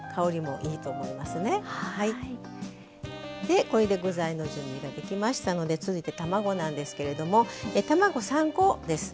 でこれで具材の準備ができましたので続いて卵なんですけれども卵３コです。